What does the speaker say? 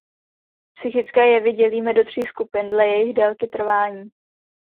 Psychické jevy dělíme do tří skupin dle jejich délky trvání.